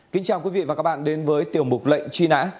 kính chào quý vị và các bạn đến với tiểu mục lệnh truy nã